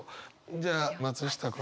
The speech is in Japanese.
じゃあ松下君。